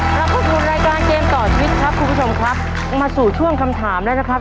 กลับเข้าสู่รายการเกมต่อชีวิตครับคุณผู้ชมครับมาสู่ช่วงคำถามแล้วนะครับ